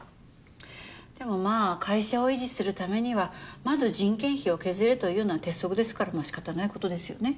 でもまあ会社を維持するためにはまず人件費を削るというのは鉄則ですからまあ仕方ない事ですよね。